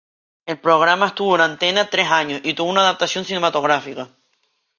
El programa estuvo en antena tres años y tuvo una adaptación cinematográfica.